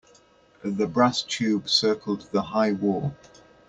The brass tube circled the high wall.